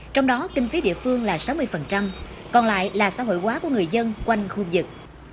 trong đó kinh phí địa phương là sáu mươi còn lại là xã hội quá của người dân quanh khu vực